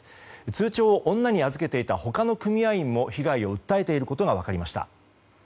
通帳を女に預けていた他の組合員も被害を訴えていることが分かりました。